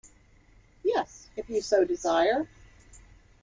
Yes, If you so desire.